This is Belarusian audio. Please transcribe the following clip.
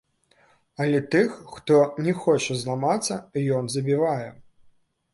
Але тых, хто не хоча зламацца, ён забівае.